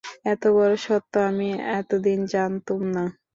এতবড়ো সত্য আমি এতদিন জানতুম না।